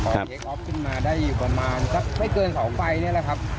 พอเทคออฟขึ้นมาได้อยู่ประมาณสักไม่เกิน๒ไฟนี่แหละครับ